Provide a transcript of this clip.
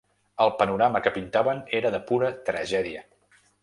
El panorama que pintaven era de pura tragèdia.